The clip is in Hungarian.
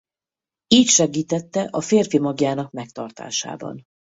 Így segítette a férfi magjának megtartásában.